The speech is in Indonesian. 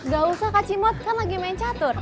gak usah kak cimot kan lagi main catur